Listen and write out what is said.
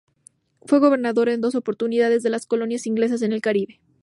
Fue gobernador en dos oportunidades de las colonias inglesas en el Caribe.